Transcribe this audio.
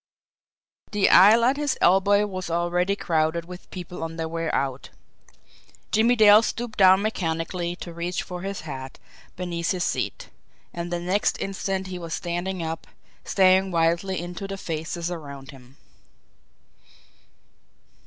The aisle at his elbow was already crowded with people on their way out. Jimmie Dale stooped down mechanically to reach for his hat beneath his seat and the next instant he was standing up, staring wildly into the faces around him.